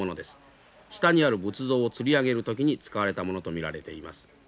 下にある仏像をつり上げる時に使われたものと見られています。